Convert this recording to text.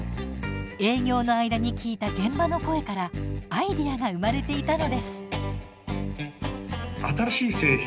営業の間に聞いた現場の声からアイデアが生まれていたのです。